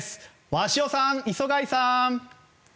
鷲尾さん、磯貝さん。